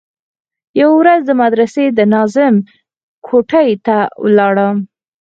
يوه ورځ د مدرسې د ناظم کوټې ته ولاړم.